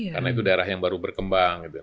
karena itu daerah yang baru berkembang